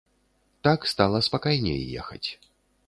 Так стала спакайней ехаць.